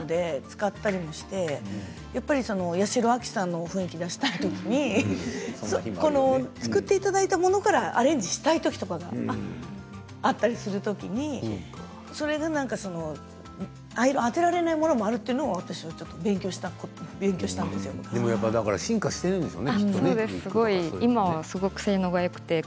ウイッグはコントで使ったりして八代亜紀さんの雰囲気を出したいときに作っていただいたものからアレンジしたいときとかあったりするときにアイロンがあてられないものが今は進化しているんですね。